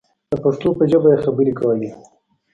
د پښتو په ژبه یې خبرې کولې.